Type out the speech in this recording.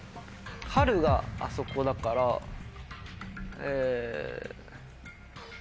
春があそこだからえ。